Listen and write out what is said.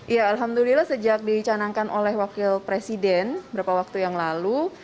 ya alhamdulillah sejak dicanangkan oleh wakil presiden beberapa waktu yang lalu